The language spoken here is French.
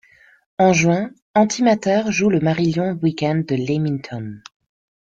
En juin, Antimatter joue le Marillion Weekend de Leamington.